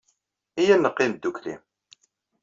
Iyya ad neqqim ddukkli.